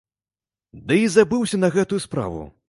Ды і забыўся на гэтую справу.